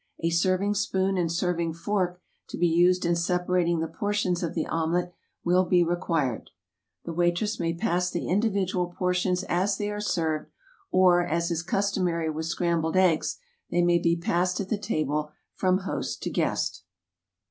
A serving spoon and serving fork to be used in separating the portions of the omelet will be re quired. The waitress may pass the individual por tions as they are served, or, as is customary with scrambled eggs, they may be passed at the table from host to guest.